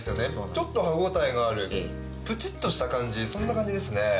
ちょっと歯応えがあるプチッとしたそんな感じですね。